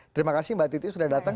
terima kasih mbak titi sudah datang